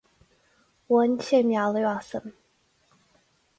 Bhain sé mealladh asam.